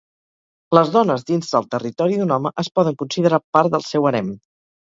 Les dones dins del territori d'un home es poden considerar part del seu harem.